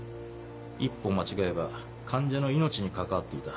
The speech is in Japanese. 一歩間違えば患者の命に関わっていた。